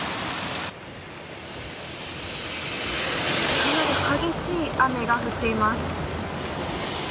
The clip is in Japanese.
かなり激しい雨が降っています。